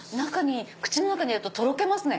口の中に入れるととろけますね。